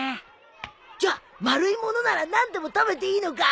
じゃあ丸い物なら何でも食べていいのか？